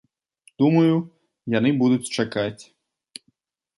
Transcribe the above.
Думаю, яны будуць чакаць.